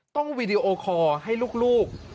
ต้องวิดีโอคอล์ให้ลูก